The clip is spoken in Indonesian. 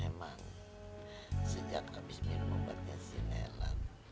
emang sejak abis minum obatnya si nelan